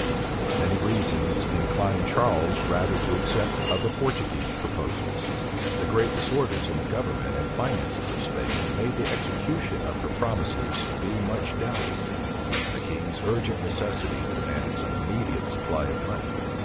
But many reasons inclined Charles rather to accept of the Portuguese proposals. The great disorders in the government and finances of Spain made the execution of her promises be much doubted; and the king's urgent necessities demanded some immediate supply of money.